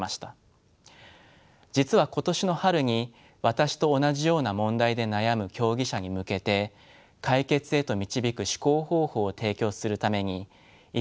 実は今年の春に私と同じような問題で悩む競技者に向けて解決へと導く思考方法を提供するために一冊の本を書きました。